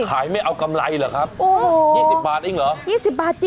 ไม่เอากำไรเหรอครับ๒๐บาทเองเหรอ